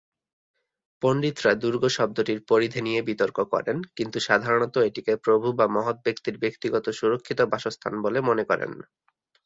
পণ্ডিতরা দুর্গ শব্দটির পরিধি নিয়ে বিতর্ক করেন, কিন্তু সাধারণত এটিকে প্রভু বা মহৎ ব্যক্তির ব্যক্তিগত সুরক্ষিত বাসস্থান বলে মনে করেন।